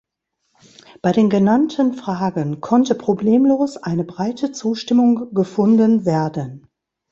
Bei den genannten Fragen konnte problemlos eine breite Zustimmung gefunden werden.